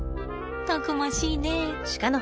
たくましいね。